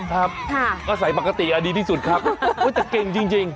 ใช่อาศัยปกติอันดีที่สุดครับจะเก่งจริง